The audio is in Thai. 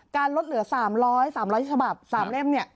การลดเหลือสามร้อยสามเล่ม